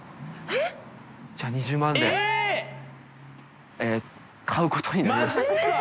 じゃあ２０万で、買うことになりました。